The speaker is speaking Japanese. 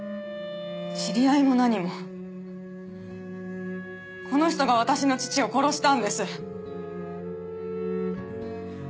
知り合いも何もこの人が私の父を殺したんです。